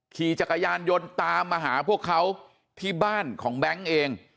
ขี่จักรยานยนต์ตามมาหาพวกเขาที่บ้านของแบงค์เอง